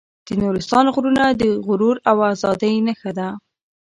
د نورستان غرونه د غرور او ازادۍ نښه ده.